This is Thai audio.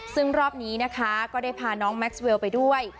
ซึ่งรอบนี้นะคะก็ได้พาน้องแม็กซ์เวลไปด้วย